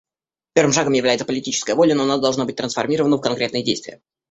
Первым шагом является политическая воля, но она должна быть трансформирована в конкретные действия.